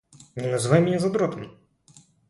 Не называй меня задротом!